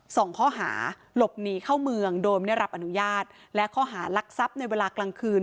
สองข้อหาหลบหนีเข้าเมืองโดยไม่ได้รับอนุญาตและข้อหารักทรัพย์ในเวลากลางคืน